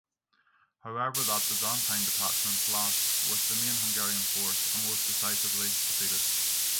However, that Byzantine detachment clashed with the main Hungarian force and was decisively defeated.